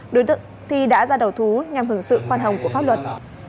đối tượng thì đã ra đầu thú nhằm hưởng sự khoan hồng của pháp luật